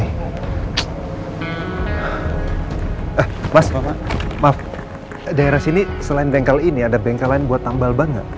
eh mas maaf daerah sini selain bengkel ini ada bengkel lain buat tambal ban gak